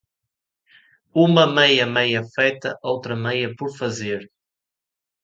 Uma meia meia feita, outra meia por fazer.